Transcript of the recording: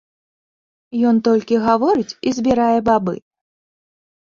Ён толькі гаворыць і збірае бабы.